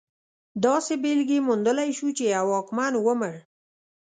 داسې بېلګې موندلی شو چې یو واکمن ومړ.